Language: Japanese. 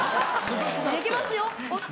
できますよ。